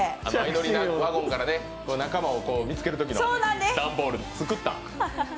「あいのり」、ワゴンから仲間を見つけるときの段ボール、作った？